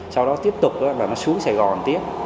sau đó tiếp tục là nó xuống sài gòn tiếp